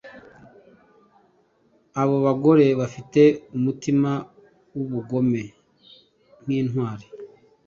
abo bagore bafite umutima wubugome nkintwari